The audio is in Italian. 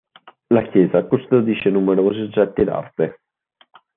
La chiesa custodisce numerosi oggetti d'arte.